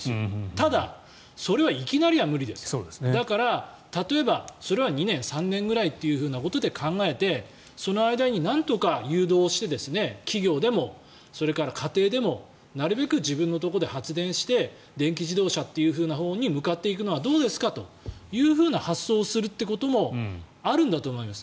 ただ、それはいきなりは無理ですだから、例えばそれは２年、３年くらいということで考えてその間になんとか誘導して企業でも、それから家庭でもなるべく自分のところで発電して電気自動車のほうに向かっていくのはどうですかという発想をするということもあるんだと思います。